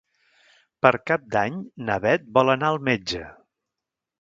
Per Cap d'Any na Beth vol anar al metge.